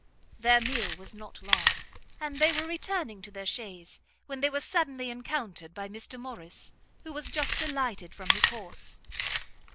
Their meal was not long, and they were returning to their chaise, when they were suddenly encountered by Mr Morrice, who was just alighted from his horse.